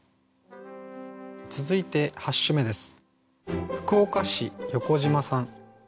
続いて８首目です。